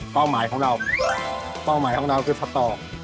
เป้าหมายของเราเป้าหมายของเราก็คือสตอร์